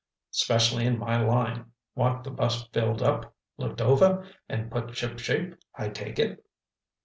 Specially in my line. Want the bus filled up, looked over and put shipshape, I take it?"